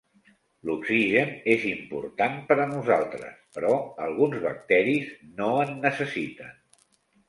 L'oxigen és important per a nosaltres, però alguns bacteris no en necessiten.